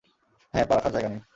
হ্যাঁ, পা রাখার জায়গা নেই।